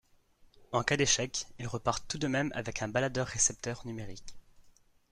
En cas d'échec, ils repartent tout de même avec un baladeur-récepteur numérique.